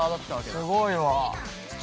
すごいわ。